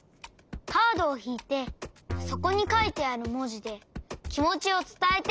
カードをひいてそこにかいてあるもじできもちをつたえて！